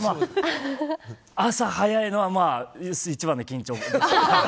朝早いのはまあ、一番の緊張。